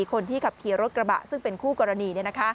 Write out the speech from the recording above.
คนที่ขับขี่รถกระบะซึ่งเป็นคู่กรณี